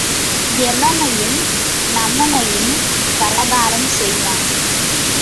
எமனையும் நமனையும் பலகாரம் செய்வான்.